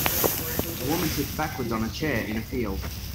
A woman sits backwards on a chair in a field.